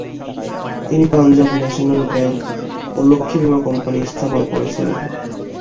তিনি Punjab National Bank ও লক্ষী বিমা কম্পানী স্থাপন করেছিলেন।